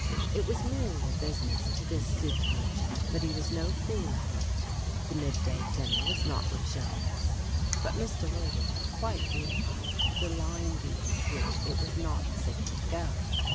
It was merely a business to this soup merchant, but he was no fool at it. The mid day dinner was not luxurious, but Mr. Worthy had quite realized the line beneath which it was not safe to go.